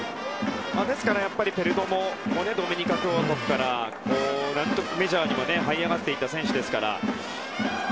ですから、ペルドモもドミニカ共和国からメジャーにもはい上がっていった選手ですから。